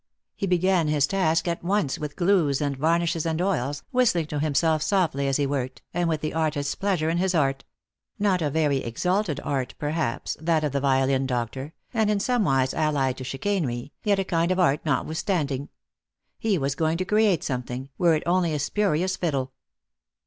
He began his task at once with glues and varnishes and oils,, whistling to himself softly as be worked, and with the artist's' 306 Lost for Love. pleasure in his art — not a very exalted art, perhaps, that of the violin doctor, and in somewise allied to chicanery, yet a kind of art notwithstanding. He was going to create something, were it only a spurious fiddle.